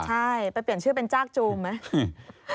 ใช่ไปเปลี่ยนชื่อเป็นจากจูมไหม